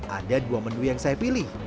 ada dua menu yang saya pilih